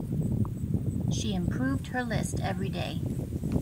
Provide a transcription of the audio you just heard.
She improved her list every day.